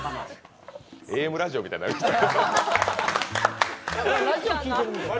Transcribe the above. ＡＭラジオみたいになってきた。